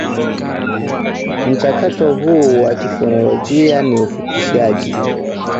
Mchakato huu wa kifonolojia ni ufupishaji